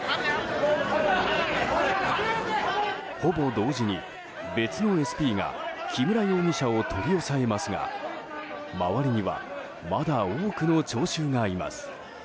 ほぼ同時に別のＳＰが木村容疑者を取り押さえますが周りにはまだ多くの聴衆がいます。